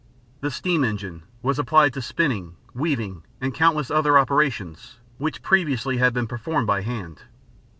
The steam engine was applied to spinning, weaving, and countless other operations which previously had been performed by hand.